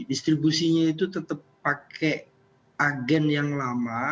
distribusinya itu tetap pakai agen yang lama